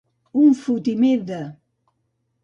Un fotimer de.